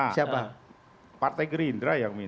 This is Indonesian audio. siapa partai gerindra yang minta